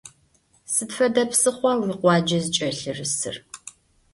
Сыд фэдэ псыхъуа уикъуаджэ зыкӏэлъырысыр?